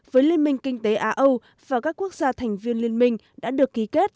với liên minh kinh tế á âu và các quốc gia thành viên liên minh đã được ký kết